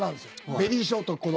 ベリーショート。